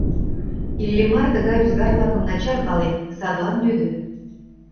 Иллимар тыгай ӱзгар-влакым начар пален, садлан лӱдӧ.